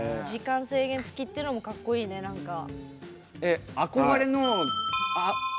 時間制限付きっていうのもかっこいいねなんか。